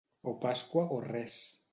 O Pasqua o res.